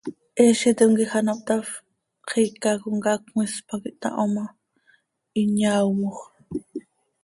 Heezitim quij ano hptafp, xiica comcaac cmis pac ihtaho ma, hin yaaomoj.